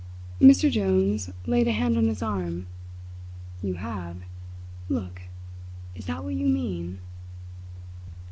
Mr Jones laid a hand on his arm. "You have? Look! is that what you mean?"